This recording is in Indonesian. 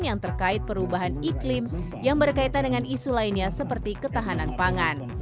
yang terkait perubahan iklim yang berkaitan dengan isu lainnya seperti ketahanan pangan